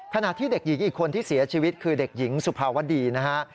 ขณะที่เด็กหญิงอีกคนที่เสียชีวิตคือเด็กหญิงสุภาวดีนะฮะ